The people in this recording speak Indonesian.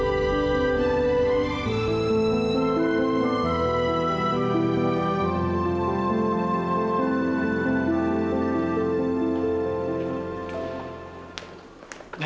sampai jumpa lagi